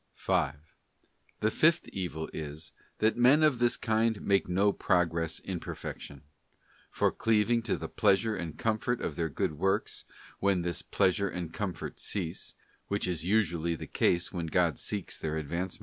| 5. The fifth evil is, that men of this kind make no pro gress in Perfection; for cleaving to the pleasure and comfort of their good works, when this pleasure and comfort cease — which is usually the case when God seeks their advancement, CHAP.